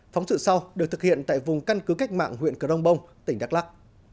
phóng sự sau được thực hiện tại vùng căn cứ cách mạng huyện cờ rông bông tỉnh đắk lắc